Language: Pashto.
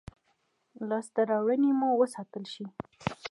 لاسته راوړنې مو وساتل شي.